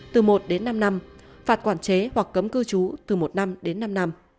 từ một đến năm năm phạt quản chế hoặc cấm cư trú từ một năm đến năm năm